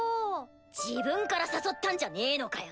自分から誘ったんじゃねぇのかよ。